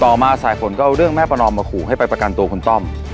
ต่อมาสายฝนก็เอาเรื่องแม่ประนอมมาขู่ให้ไปประกันตัวคุณต้อม